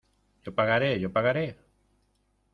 ¡ yo pagaré! ¡ yo pagaré !